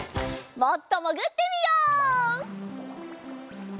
もっともぐってみよう！